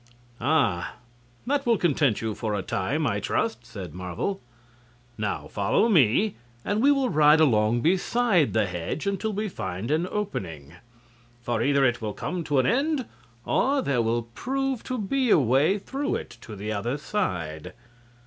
"Ah, that will content you for a time, I trust," said Marvel. "Now follow me, and we will ride along beside the hedge until we find an opening. For either it will come to an end or there will prove to be a way through it to the other side."